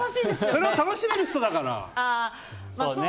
それを楽しめる人だから！